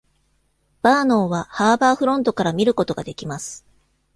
ヴァーノンは、ハーバーフロントから見ることができます。